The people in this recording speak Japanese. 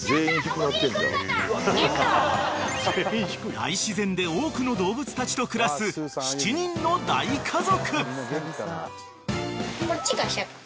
［大自然で多くの動物たちと暮らす７人の大家族］